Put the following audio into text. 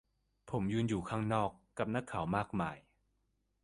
ผมยืนอยู่ข้างนอก กับนักข่าวมากมาย